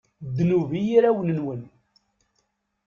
Ddnub i yirawen-nwen!